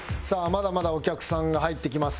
まだまだお客さんが入ってきます。